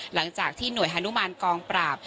หลังจากที่หน่วยฮานุมานกองปราบ